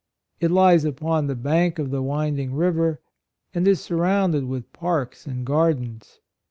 It lies upon the bank of the winding river, and is surrounded with parks and gardens.